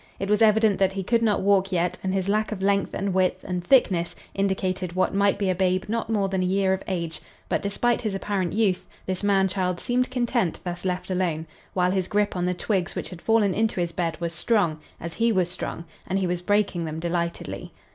It was evident that he could not walk yet and his lack of length and width and thickness indicated what might be a babe not more than a year of age, but, despite his apparent youth, this man child seemed content thus left alone, while his grip on the twigs which had fallen into his bed was strong, as he was strong, and he was breaking them delightedly.